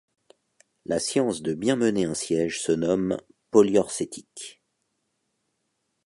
La science de bien mener un siège se nomme poliorcétique.